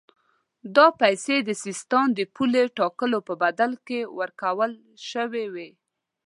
دا پیسې د سیستان د پولې ټاکلو په بدل کې ورکول شوې وې.